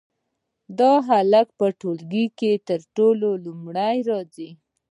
دا هلک په ټولګي کې تل لومړی راځي